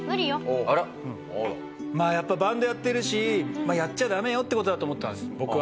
まあやっぱバンドをやっているし「やっちゃダメよ」っていう事だと思ったんです僕は。